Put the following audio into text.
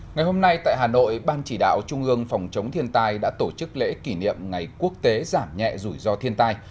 ngày hôm nay tại hà nội ban chỉ đạo trung ương phòng chống thiên tai đã tổ chức lễ kỷ niệm ngày quốc tế giảm nhẹ rủi ro thiên tai